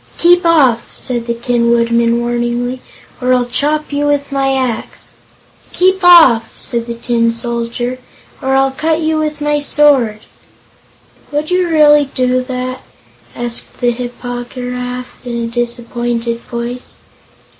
"Keep off!" said the Tin Woodman, warningly, "or I'll chop you with my axe." "Keep off!" said the Tin Soldier, "or I'll cut you with my sword." "Would you really do that?" asked the Hip po gy raf, in a disappointed voice.